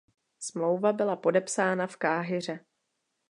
Smlouva byla podepsána v Káhiře.